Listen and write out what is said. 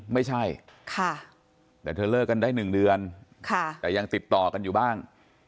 ไม่ใช่แต่เธอเลิกกันได้๑เดือนแต่ยังติดต่อกันอยู่บ้าง